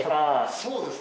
そうですね